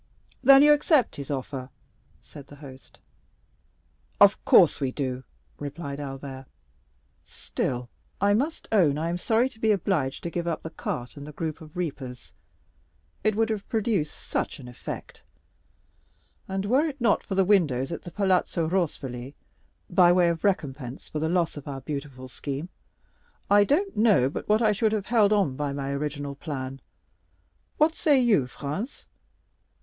"Then you accept his offer?" said the host. "Of course we do," replied Albert. "Still, I must own I am sorry to be obliged to give up the cart and the group of reapers—it would have produced such an effect! And were it not for the windows at the Palazzo Rospoli, by way of recompense for the loss of our beautiful scheme, I don't know but what I should have held on by my original plan. What say you, Franz?"